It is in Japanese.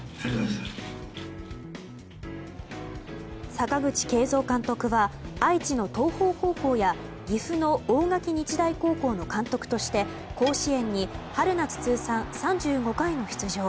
阪口慶三監督は愛知の東邦高校や岐阜の大垣日大高校の監督として甲子園に春夏通算３５回の出場。